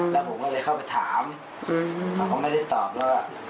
แล้วผมก็เลยเข้าไปถามเขาก็ไม่ได้ตอบแล้ว